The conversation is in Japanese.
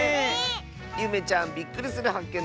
ゆめちゃんびっくりするはっけん